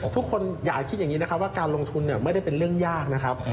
ทุกคนอย่าคิดอย่างนี้นะครับว่าการลงทุนไม่ได้เป็นเรื่องยากนะครับ